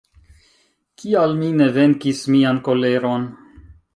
Kial mi ne venkis mian koleron?